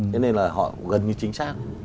thế nên là họ gần như chính xác